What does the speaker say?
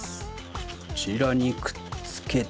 こちらにくっつけて。